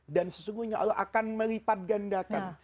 dan sesungguhnya allah akan melipat gandakan